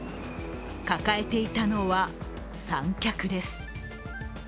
抱えていたのは、三脚です。